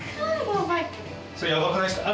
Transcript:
それヤバくないっすか？